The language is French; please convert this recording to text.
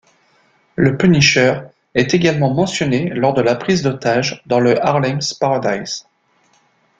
Le Punisher est également mentionné lors de la prise d'otage dans le Harlem's Paradise.